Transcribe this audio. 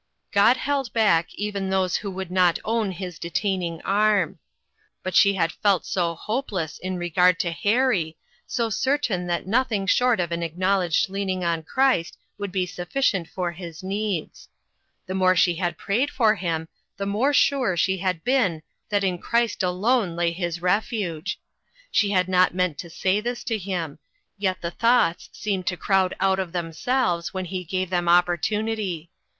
God held back even those who would not own his detaining arm. But she had felt so hopeless in regard to Harry, so cer tain that nothing short of an acknowledged leaning on Christ would be sufficient for his needs. The more she had prayed for him, the more sure had she been that in Christ alone lay his refuge. She had not meant to say this to him. Yet the thoughts seemed to crowd out of themselves, when he gave them opportunity.